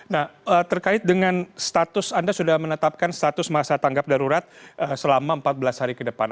nah terkait dengan status anda sudah menetapkan status masa tanggap darurat selama empat belas hari ke depan